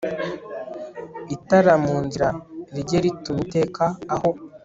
itara mu nzira rijye rituma iteka aho